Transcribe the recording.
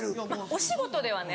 お仕事ではね